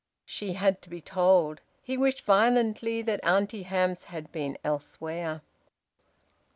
She had to be told. He wished violently that Auntie Hamps had been elsewhere.